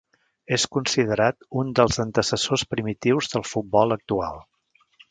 És considerat un dels antecessors primitius del futbol actual.